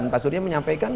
pak surya menyampaikan